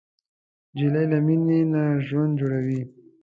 نجلۍ له مینې نه ژوند جوړوي.